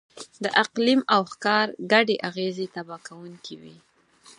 د اقلیم او ښکار ګډې اغېزې تباه کوونکې وې.